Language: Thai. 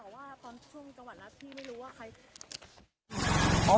อืมแต่ว่าตอนช่วงกระหวัดละที่ไม่รู้ว่าใคร